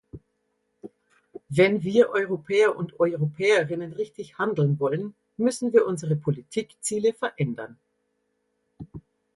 Wenn wir Europäer und Europäerinnen richtig handeln wollen, müssen wir unsere Politikziele verändern.